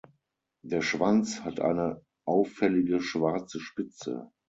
Der Schwanz hat eine auffällige schwarze Spitze.